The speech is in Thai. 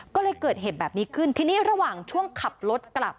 ก็เลยเกิดเหตุแบบนี้ขึ้นทีนี้ระหว่างช่วงขับรถกลับ